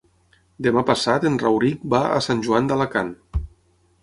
Demà passat en Rauric va a Sant Joan d'Alacant.